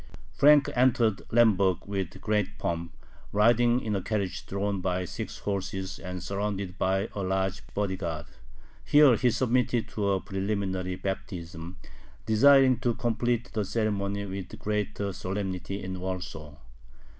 Frank entered Lemberg with great pomp, riding in a carriage drawn by six horses and surrounded by a large body guard. Here he submitted to a preliminary baptism, desiring to complete the ceremony with greater solemnity in Warsaw.